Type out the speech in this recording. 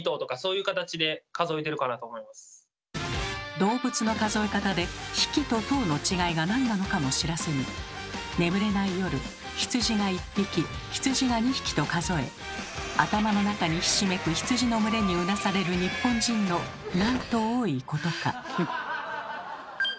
動物の数え方で「匹」と「頭」の違いが何なのかも知らずに眠れない夜羊が１匹羊が２匹と数え頭の中にひしめく羊の群れにうなされる日本人のなんと多いことか。